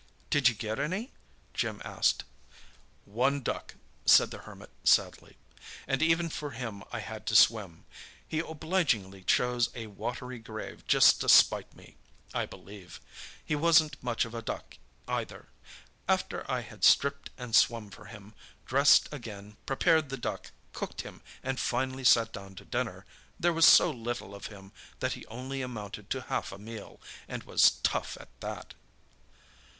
"Did you get any?" Jim asked. "One duck," said the Hermit sadly. "And even for him I had to swim; he obligingly chose a watery grave just to spite me, I believe. He wasn't much of a duck either. After I had stripped and swum for him, dressed again, prepared the duck, cooked him, and finally sat down to dinner, there was so little of him that he only amounted to half a meal, and was tough at that!"